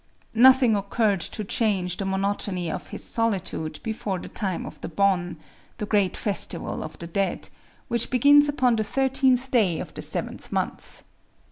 Nothing occurred to change the monotony of his solitude before the time of the Bon,—the great Festival of the Dead,—which begins upon the thirteenth day of the seventh month.